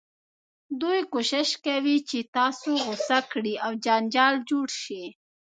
دوی کوښښ کوي چې تاسو غوسه کړي او جنجال جوړ شي.